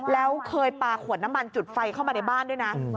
แล้วเคยปลาขวดน้ำมันจุดไฟเข้ามาในบ้านด้วยนะ